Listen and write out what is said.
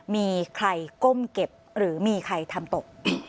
มีใครก้มเก็บหรือมีใครทำตก